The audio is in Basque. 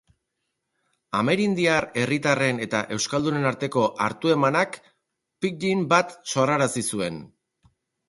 Amerindiar herritarren eta euskaldunen arteko hartu-emanak pidgin bat sorrarazi zuen.